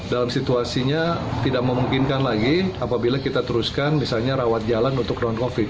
dalam situasinya tidak memungkinkan lagi apabila kita teruskan misalnya rawat jalan untuk rawan covid